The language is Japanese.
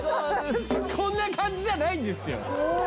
こんな感じじゃないんですよ。